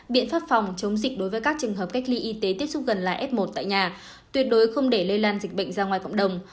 biện pháp phòng chống dịch đối với các trường hợp cách ly y tế tiếp xúc gần là f một tại nhà tuyệt đối không để lây lan dịch bệnh ra ngoài cộng đồng